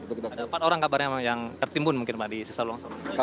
ada empat orang kabarnya yang tertimbun mungkin pak di sisa longsor